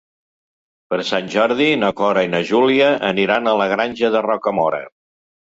Per Sant Jordi na Cora i na Júlia aniran a la Granja de Rocamora.